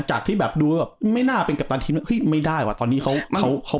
จากที่ดูไม่น่าเป็นกัปตันทีมไม่ได้ว่าตอนนี้เขา